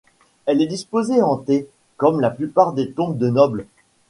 Elle est disposée en T comme la plupart des tombes de nobles.